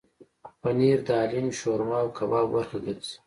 پنېر د حلیم، شوروا او کبابو برخه ګرځي.